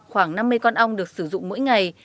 khoảng năm mươi con ong được sử dụng mỗi ngày